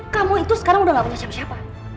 kamu itu sekarang udah gak punya siapa siapa